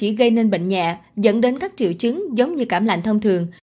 tình trạng mạch của bệnh nhân dẫn đến các triệu chứng giống như cảm lạnh thông thường